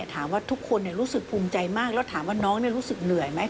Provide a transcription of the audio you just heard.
ถามว่าทุกคนรู้สึกภูมิใจมากแล้วถามว่าน้องรู้สึกเหนื่อยไหม